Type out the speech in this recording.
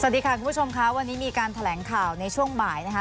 สวัสดีค่ะคุณผู้ชมค่ะวันนี้มีการแถลงข่าวในช่วงบ่ายนะคะ